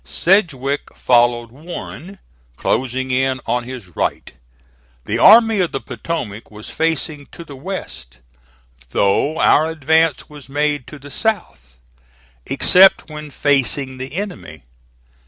Sedgwick followed Warren, closing in on his right. The Army of the Potomac was facing to the west, though our advance was made to the south, except when facing the enemy.